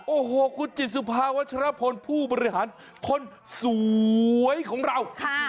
โอ้โหคุณจิตสุภาวัชรพลผู้บริหารคนสวยของเรา